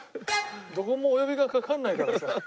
どこもお呼びがかからないからさ。